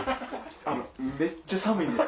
めっちゃ寒いんです。